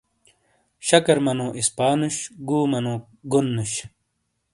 شَکر مَنو اِسپا نُش، گُو مَنو گون نُش۔